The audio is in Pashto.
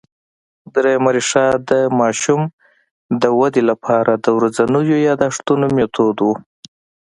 درېیمه ریښه د ماشوم د ودې له پاره د ورځينو یادښتونو مېتود وو